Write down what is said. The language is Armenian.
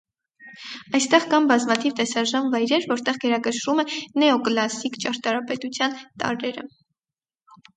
Այստեղ կան բազմաթիվ տեսարժան վայրեր, որտեղ գերակշռում է նեոկլասսիկ ճարտարապետության տարրերը։